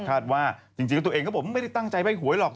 ว่าจริงตัวเองก็บอกไม่ได้ตั้งใจใบ้หวยหรอก